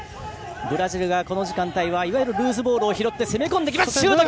ブラジルがこの時間帯はいわゆるルーズボールを拾って攻め込んでくる。